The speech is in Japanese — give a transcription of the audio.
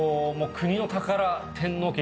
国の宝天皇家